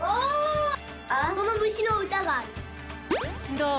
どう？